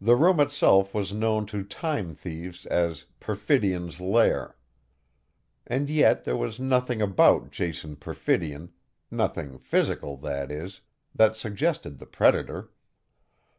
The room itself was known to time thieves as "Perfidion's Lair". And yet there was nothing about Jason Perfidion nothing physical, that is that suggested the predator.